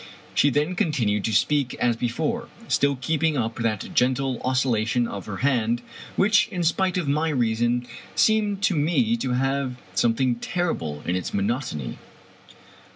She then continued to speak as before, still keeping up that gentle oscillation of her hand, which, in spite of my reason, seemed to me to have something ter rible in its monotony.